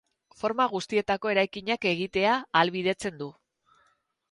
Forma guztietako eraikinak egitea ahalbidetzen du.